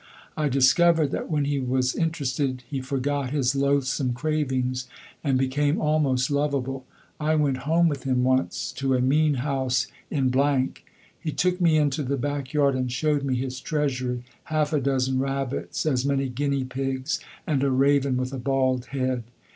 I discovered that when he was interested he forgot his loathsome cravings, and became almost lovable. I went home with him once, to a mean house in . He took me into the backyard and showed me his treasury half a dozen rabbits, as many guinea pigs, and a raven with a bald head.